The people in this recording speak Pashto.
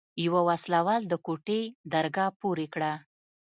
يوه وسله وال د کوټې درګاه پورې کړه.